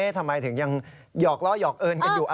ทำไมถึงยังหยอกล้อหยอกเอิญกันอยู่